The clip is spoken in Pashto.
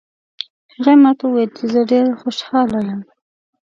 هغې ما ته وویل چې زه ډېره خوشحاله یم